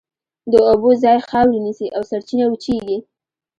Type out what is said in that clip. د اوبو ځای خاورې نیسي او سرچینه وچېږي.